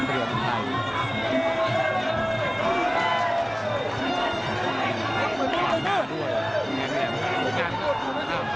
เพื่อมีเขามาช่วยด้วยครับ